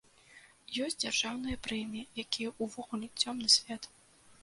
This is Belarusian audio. Ёсць дзяржаўныя прэміі, якія ўвогуле цёмны свет.